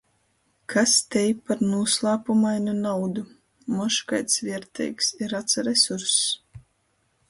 Kas tei par nūslāpumainu naudu? Mož kaids vierteigs i rats resurss??...